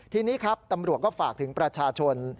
ทีนี้ครับตำรวจก็ฝากถึงประชาชน